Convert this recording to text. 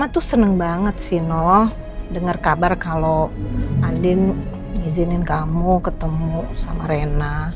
aku seneng banget sih noh dengar kabar kalau andin izinin kamu ketemu sama rena